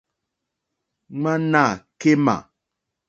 Ŋwánâ kémà.